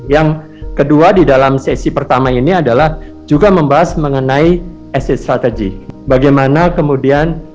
yang kedua di dalam sesi pertama ini adalah juga membahas mengenai exit strategy bagaimana kemudian